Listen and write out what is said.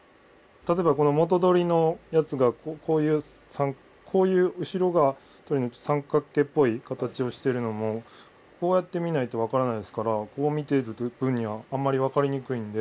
例えばこの髻のやつがこういうこういう後ろが三角形っぽい形をしてるのもこうやって見ないと分からないですからこう見てる分にはあんまり分かりにくいんで。